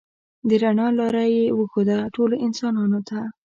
د رڼا لاره یې وښوده ټولو انسانانو ته.